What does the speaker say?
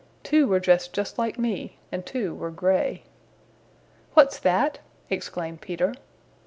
Two were dressed just like me and two were gray." "What's that?" exclaimed Peter.